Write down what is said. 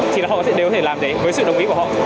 thì họ đều có thể làm đấy với sự đồng ý của họ